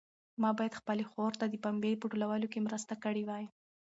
ما باید خپلې خور ته د پنبې په ټولولو کې مرسته کړې وای.